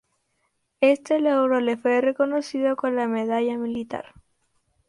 Este logro le fue reconocido con la Medalla Militar.